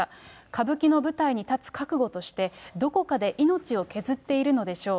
歌舞伎の舞台に立つ覚悟として、どこかで命を削っているのでしょう。